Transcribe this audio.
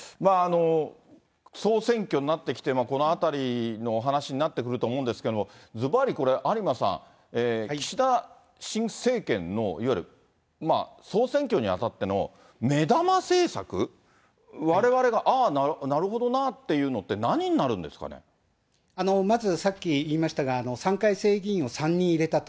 総選挙になってきて、このあたりの話になってくると思うんですけれども、ずばり、これ、有馬さん、岸田新政権のいわゆる総選挙にあたっての目玉政策、われわれがああ、なるほどなっていうのまずさっき言いましたが、３回生議員を３人入れたと。